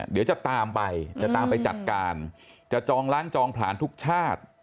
เดี๋ยวจะตามไปจะตามไปจัดการจะจองล้างจองผลาญทุกชาติ